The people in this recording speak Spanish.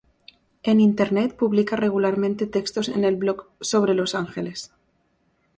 En internet publica regularmente textos en el blog "Sobre los ángeles".